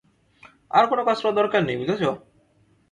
আজ কোন কাজ করার দরকার নেই, বুঝেছ?